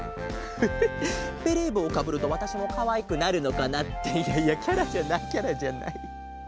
フフベレーぼうをかぶるとわたしもかわいくなるのかな。っていやいやキャラじゃないキャラじゃない。